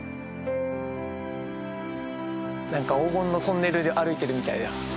何か黄金のトンネル歩いてるみたいだよ。